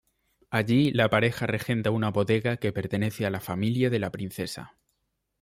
Allí, la pareja regenta una bodega que pertenece a la familia de la princesa.